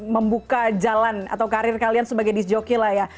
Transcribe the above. membuka jalan atau karir kalian sebagai dischoke lah ya